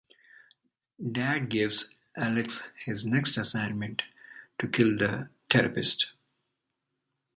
Dad gives Alex his next assignment: to kill the therapist.